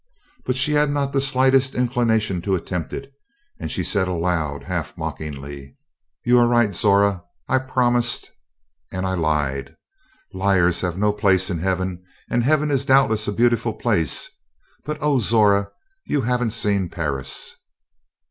But she had not the slightest inclination to attempt it, and she said aloud, half mockingly: "You are right, Zora. I promised and I lied. Liars have no place in heaven and heaven is doubtless a beautiful place but oh, Zora! you haven't seen Paris!"